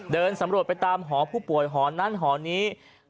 เดินสำรวจไปตามหอผู้ป่วยหอนั้นหอนี้